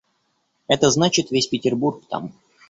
Это значит — весь Петербург там.